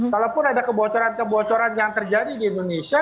kalaupun ada kebocoran kebocoran yang terjadi di indonesia